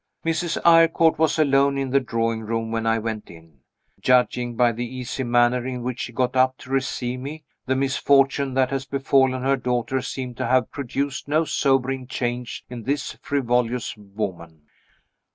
Mrs. Eyrecourt was alone in the drawing room when I went in. Judging by the easy manner in which she got up to receive me, the misfortune that has befallen her daughter seemed to have produced no sobering change in this frivolous woman.